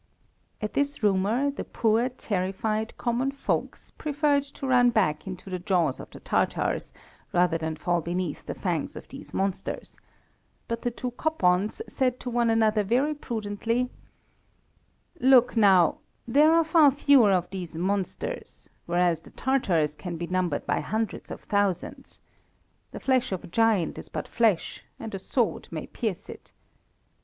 At this rumour, the poor, terrified, common folks preferred to run back into the jaws of the Tatars, rather than fall beneath the fangs of these monsters; but the two Koppands said to one another very prudently "Look, now, there are far fewer of these monsters, whereas the Tatars can be numbered by hundreds of thousands. The flesh of a giant is but flesh, and a sword may pierce it.